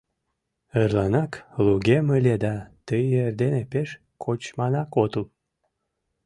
Эрланак лугем ыле да, тый эрдене пеш кочманак отыл.